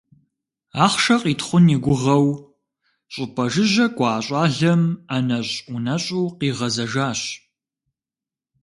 Ахъшэ къитхъун и гугъэу щӀыпӀэ жыжьэ кӀуа щӀалэм ӀэнэщӀ-ӀунэщӀу къигъэзэжащ.